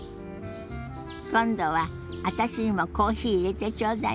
今度は私にもコーヒーいれてちょうだいね。